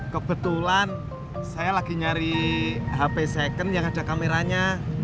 kebetulan saya lagi nyari hp second yang ada kameranya